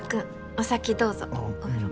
お先どうぞお風呂。